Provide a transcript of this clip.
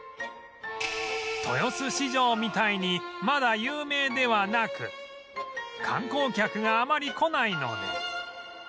豊洲市場みたいにまだ有名ではなく観光客があまり来ないので